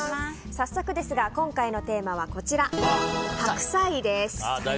早速ですが今回のテーマはこちら、白菜です。